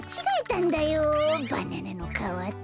バナナのかわと。